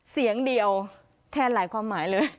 เสียงเดียวแทนหลายความหมายเลย